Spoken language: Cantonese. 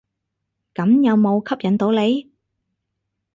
咁有無吸引到你？